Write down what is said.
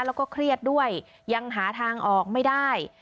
แล้วก็เครียดด้วยยังหาทางออกไม่ได้